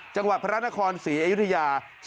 จังหวัดพระนครศรีอยุธยา